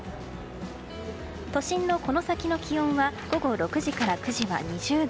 都心のこの先の気温は午後６時から９時は２０度。